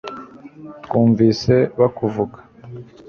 twumvise bakuvuga